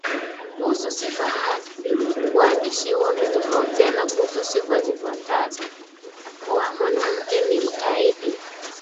kuhusu sifa hasi waandishi wametofautiana kuhusu sifa zifuatazo: kuwa mwanamke ni mkaidi